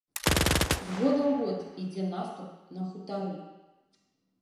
З года ў год ідзе наступ на хутары.